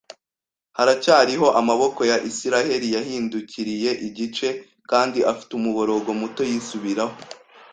haracyariho, Amaboko ya Isiraheli yahindukiriye igice kandi afite umuborogo muto yisubiraho